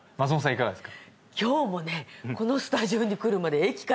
いかがですか？